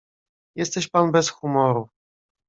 "Jesteś pan bez humoru."